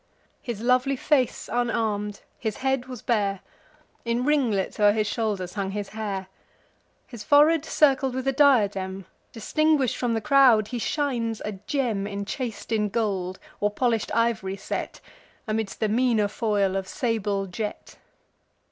His lovely face unarm'd, his head was bare; In ringlets o'er his shoulders hung his hair. His forehead circled with a diadem; Distinguish'd from the crowd, he shines a gem, Enchas'd in gold, or polish'd iv'ry set, Amidst the meaner foil of sable jet.